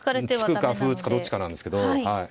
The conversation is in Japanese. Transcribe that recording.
突くか歩打つかどっちかなんですけど。